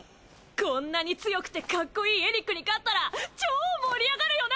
こんなに強くてカッコいいエリックに勝ったら超盛り上がるよな！？